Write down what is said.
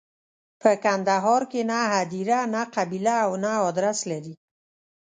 په کندهار کې نه هدیره، نه قبیله او نه ادرس لري.